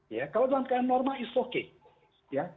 ya kalau dalam keadaan normal it's okay